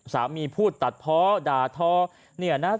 สามีพูดตัดพ้อด่าท้อเนี่ยนะ